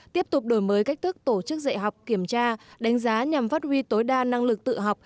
tiếp tục đổi mới cách thức tổ chức dạy học kiểm tra đánh giá nhằm phát huy tối đa năng lực tự học